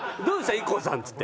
ＩＫＫＯさん」っつって。